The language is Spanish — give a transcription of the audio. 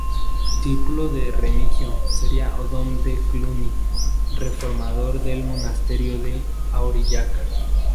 Discípulo de Remigio sería Odón de Cluny, reformador del monasterio de Aurillac.